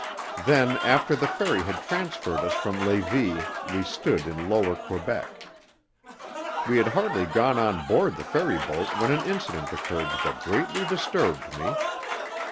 Then, after the ferry had transferred us from Levis we stood in Lower Quebec. We had hardly gone on board the ferryboat when an incident occurred that greatly disturbed me.